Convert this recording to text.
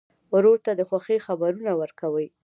ورور ته د خوښۍ خبرونه ورکوې.